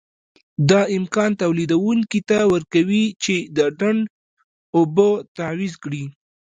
دا امکان تولیدوونکي ته ورکوي چې د ډنډ اوبه تعویض کړي.